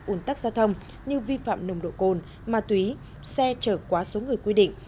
ủn tắc giao thông như vi phạm nồng độ cồn ma túy xe chở quá số người quy định